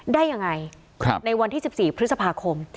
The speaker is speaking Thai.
ได้ยังไงในวันที่๑๔พฤษภาคม